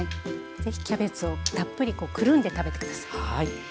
是非キャベツをたっぷりくるんで食べて下さい。